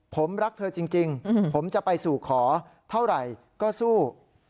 ผมรักเธอจริงผมจะไปสู่ขอเท่าไหร่ก็สู้